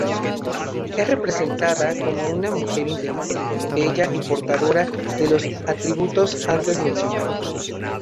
Es representada como una mujer inteligente, bella y portadora de los atributos antes mencionados.